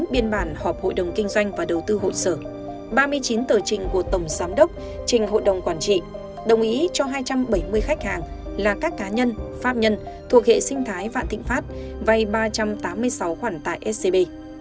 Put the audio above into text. biên bản họp hội đồng kinh doanh và đầu tư hội sở ba mươi chín tờ trình của tổng giám đốc trình hội đồng quản trị đồng ý cho hai trăm bảy mươi khách hàng là các cá nhân pháp nhân thuộc hệ sinh thái vạn thịnh pháp vay ba trăm tám mươi sáu khoản tại scb